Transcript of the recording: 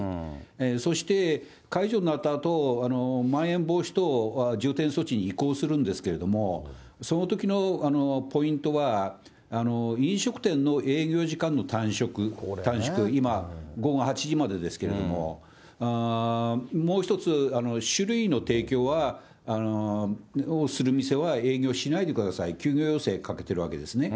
そして、解除になったあと、まん延防止等重点措置に移行するんですけれども、そのときのポイントは、飲食店の営業時間の短縮、今、午後８時までですけれども、もう一つ、酒類の提供は、する店は営業しないでください、休業要請かけてるわけですね。